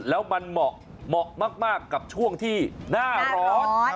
แล้วมันเหมาะมากกับช่วงที่หน้าร้อน